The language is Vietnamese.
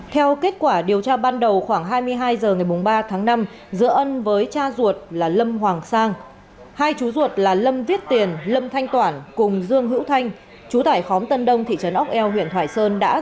theo kết quả điều tra ban đầu khoảng hai mươi hai h ngày ba tháng năm giữa ân với cha ruột là lâm hoàng sang hai chú ruột là lâm viết tiền lâm thanh toản cùng dương hữu thanh chú tải khóm tân đông thị trấn ốc eo huyện thoại sơn